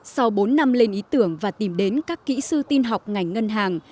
sau bốn năm lên ý tưởng và tìm đến các kỹ sư tin học ngành ngân hàng